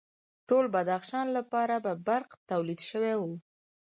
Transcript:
ټول بدخشان لپاره به برق تولید شوی و